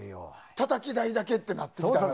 たたき台だけってなってくると。